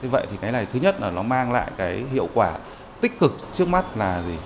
vậy thì cái này thứ nhất là nó mang lại cái hiệu quả tích cực trước mắt là gì